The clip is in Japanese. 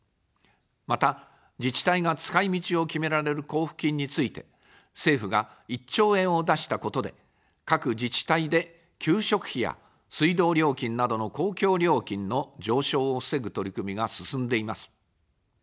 また、自治体が使い道を決められる交付金について、政府が１兆円を出したことで、各自治体で給食費や水道料金などの公共料金の上昇を防ぐ取り組みが進んでいます。